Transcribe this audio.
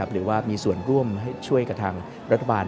หรือว่ามีส่วนร่วมช่วยกับทางรัฐบาล